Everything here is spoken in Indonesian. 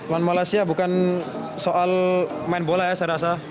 lawan malaysia bukan soal main bola ya saya rasa